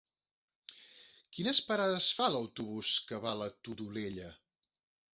Quines parades fa l'autobús que va a la Todolella?